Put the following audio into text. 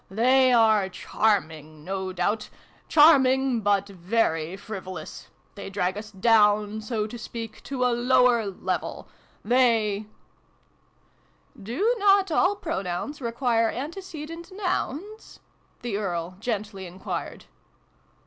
" They are charming, no doubt ! Charming, but very frivolous. They drag us down, so to speak, to a lower level. They L 2 148 SYLVJE AND BRUNO CONCLUDED. " Do not all pronouns require antecedent nouns ?" the Earl gently enquired.